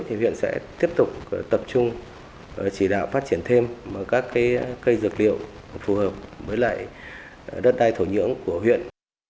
thì huyện sẽ tiếp tục tập trung chỉ đạo phát triển thêm các cây dược liệu phù hợp với lại đất đai thổ nhưỡng của huyện